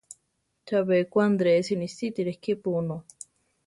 Chabé ko Antresi nisítire kepu onó.